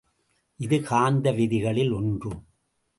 இது காந்த விதிகளில் ஒன்று.